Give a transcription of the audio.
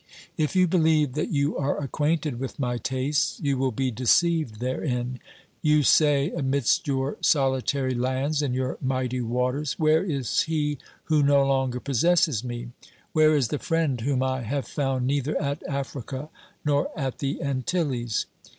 If you believe that you are acquainted with my tastes, you will be deceived therein. You say amidst your solitary lands and your mighty waters : Where is he who no longer possesses me? Where is the friend whom I have found neither at Africa nor at the Antilles